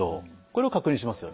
これを確認しますよね。